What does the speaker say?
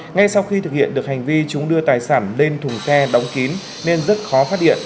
ngay sau khi thực hiện được hành vi chúng đưa tài sản lên thùng xe đóng kín nên rất khó phát hiện